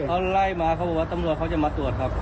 เขาไล่มาเขาบอกว่าตำรวจเขาจะมาตรวจครับ